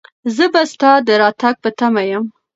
زه به ستا د راتګ په تمه یم.